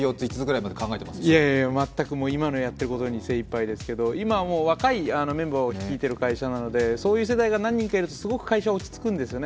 いえいえ全く、今のやっていることに精一杯ですけど、今若いメンバーを率いている会社なので、そういう世代が何人かいると、すごく会社は落ち着くんですよね。